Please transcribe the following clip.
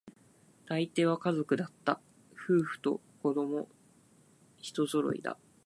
大抵は家族だった、夫婦と子供、一揃いだ